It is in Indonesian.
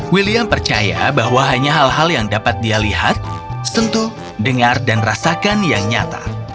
william percaya bahwa hanya hal hal yang dapat dia lihat sentuh dengar dan rasakan yang nyata